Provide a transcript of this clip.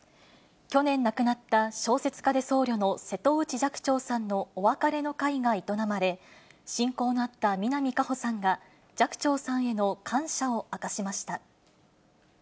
去年亡くなった小説家で僧侶の瀬戸内寂聴さんのお別れの会が営まれ、親交のあった南果歩さんが、寂聴さんへの感謝を明かしました。